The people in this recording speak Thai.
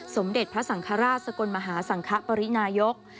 สมเด็จพระสังฆราชสกลมหาสังคปรินายก